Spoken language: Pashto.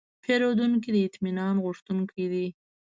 پیرودونکی د اطمینان غوښتونکی دی.